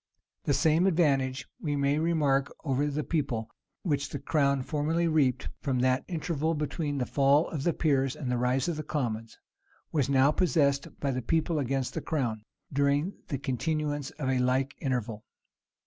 The same advantage, we may remark, over the people, which the crown formerly reaped from that interval between the fall of the peers and rise of the commons, was now possessed by the people against the crown, during the continuance of a like interval.